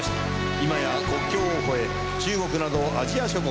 今や国境を越え中国などアジア諸国